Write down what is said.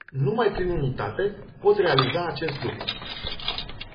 Numai prin unitate pot realiza acest lucru.